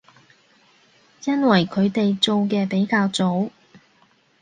因為佢哋做嘅比較早